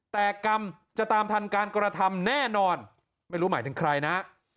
แต่กรรมจะตามทันการกระทำแน่นอนไม่รู้หมายถึงใครนะ